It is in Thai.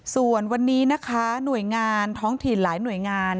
ส่วนวันนี้นะคะหน่วยงานท้องถิ่นหลายหน่วยงาน